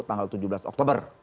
tanggal tujuh belas oktober